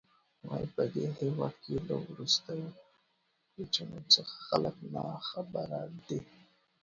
وايي، په دې هېواد کې له وروستیو